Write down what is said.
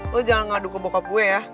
lo jangan ngadu ke bokap gue ya